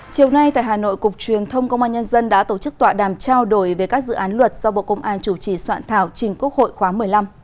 chiều nay tại hà nội cục truyền thông công an nhân dân đã tổ chức tọa đàm trao đổi về các dự án luật do bộ công an chủ trì soạn thảo trình quốc hội khóa một mươi năm